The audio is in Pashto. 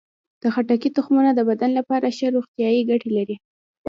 د خټکي تخمونه د بدن لپاره ښه روغتیايي ګټې لري.